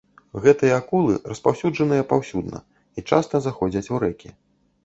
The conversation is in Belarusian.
Гэтыя акулы распаўсюджаныя паўсюдна і часта заходзяць у рэкі.